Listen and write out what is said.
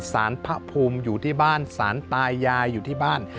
สารพระภูมิอยู่ที่บ้านสารตายายอยู่ที่บ้าน